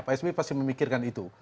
pak s b pasti memikirkan itu